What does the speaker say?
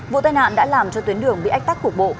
vụ tai nạn đã làm cho tuyến đường bị ách tắc cục bộ